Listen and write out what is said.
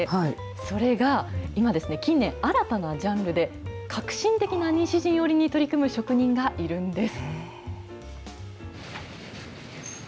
それが今ですね、近年、新たなジャンルで、革新的な西陣織に取り組む職人がいるんです。